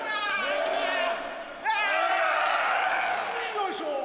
よいしょー！